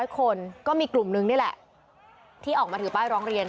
๐คนก็มีกลุ่มนึงนี่แหละที่ออกมาถือป้ายร้องเรียน